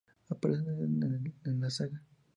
Aparecen en el de la saga.